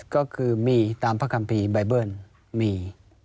ก็คือมีตามพระคัมภีร์ใบเบิ้ลมี